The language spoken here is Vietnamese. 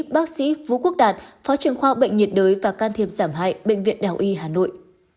bác sĩ vũ quốc đạt phó trưởng khoa bệnh nhiệt đới và can thiệp giảm hại bệnh viện đào y hà nội